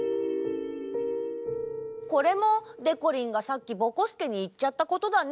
これもでこりんがさっきぼこすけにいっちゃったことだね。